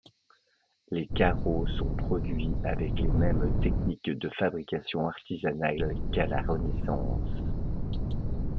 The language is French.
Les carreaux sont produits avec les mêmes techniques de fabrication artisanales qu'à la Renaissance.